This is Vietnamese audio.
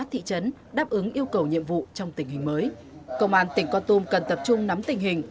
thị trấn đáp ứng yêu cầu nhiệm vụ trong tình hình mới công an tỉnh con tum cần tập trung nắm tình hình